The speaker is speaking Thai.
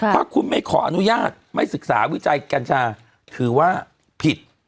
ถ้าคุณไม่ขออนุญาตไม่ศึกษาวิจัยกัญชาถือว่าผิด